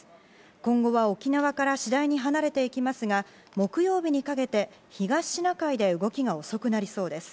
今後は、沖縄から次第に離れていきますが木曜日にかけて、東シナ海で動きが遅くなりそうです。